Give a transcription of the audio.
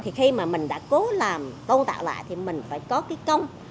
thì khi mà mình đã cố làm tôn tạo lại thì mình phải có cái công